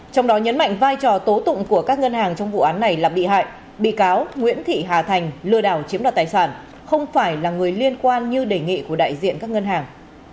trong đó nhấn mạnh vai trò tố tụng của các ngân hàng trong vụ án này là bị hại bị cáo nguyễn thị hà thành lừa đảo chiếm đoạt tài sản không phải là người liên quan như đề nghị của đại diện các ngân hàng